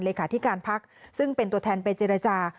เลขาธิการพักซึ่งเป็นตัวแทนไปเจรจา